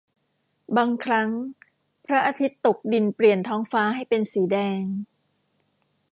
บางครั้งพระอาทิตย์ตกดินเปลี่ยนท้องฟ้าให้เป็นสีแดง